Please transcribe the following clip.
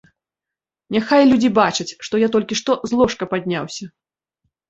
Няхай людзі бачаць, што я толькі што з ложка падняўся.